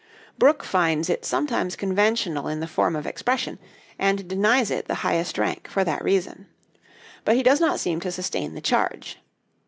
Brooke finds it sometimes conventional in the form of expression, and denies it the highest rank for that reason. But he does not seem to sustain the charge.